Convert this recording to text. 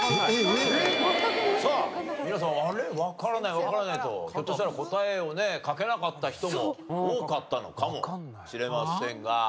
ひょっとしたら答えをね書けなかった人も多かったのかもしれませんが。